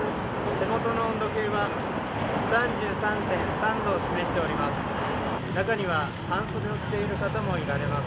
手元の温度計は３３．３度を示しています。